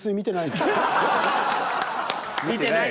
見てない。